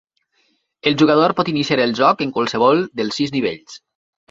El jugador pot iniciar el joc en qualsevol dels sis nivells.